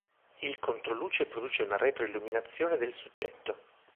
Il controluce produce una retroilluminazione del soggetto.